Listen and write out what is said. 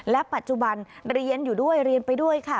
และปัจจุบันเรียนอยู่ด้วยเรียนไปด้วยค่ะ